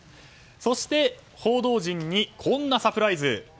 そして、報道陣にこんなサプライズ。